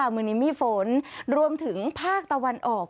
เมืองนี้มีฝนรวมถึงภาคตะวันออก